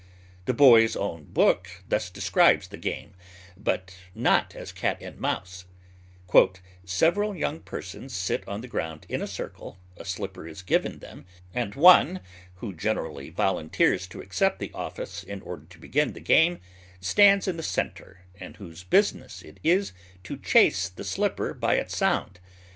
The "Boy's Own Book" thus describes the game, but not as Cat and Mouse: "Several young persons sit on the ground in a circle, a slipper is given them, and one who generally volunteers to accept the office in order to begin the game stands in the centre, and whose business it is to 'chase the slipper by its sound.'